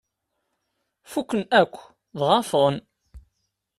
Fukken akk, dɣa ffɣen.